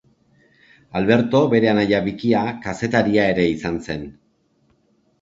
Alberto bere anaia bikia kazetaria ere izan zen.